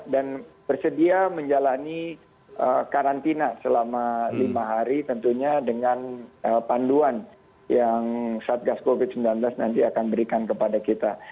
dan bersedia menjalani karantina selama lima hari tentunya dengan panduan yang satgat covid sembilan belas nanti akan berikan kepada kita